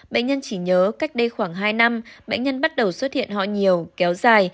bệnh nhân chỉ nhớ cách đây khoảng hai năm bệnh nhân bắt đầu xuất hiện họ nhiều kéo dài